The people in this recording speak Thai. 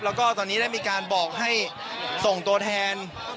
แล้วก็ตอนนี้ได้มีการบอกให้ส่งตัวแทน